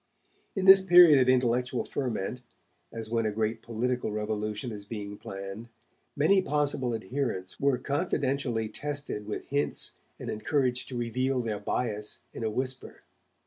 In this period of intellectual ferment, as when a great political revolution is being planned, many possible adherents were confidentially tested with hints and encouraged to reveal their bias in a whisper.